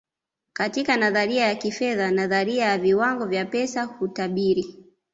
katika nadharia ya kifedha nadharia ya viwango vya pesa hutabiri